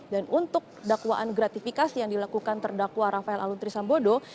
dan untuk dakwaan gratifikasi yang dilakukan terdakwa rafael alun trisambodo